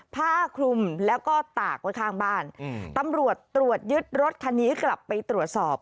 ผ้าคลุมแล้วก็ตากไว้ข้างบ้านตำรวจตรวจยึดรถคันนี้กลับไปตรวจสอบ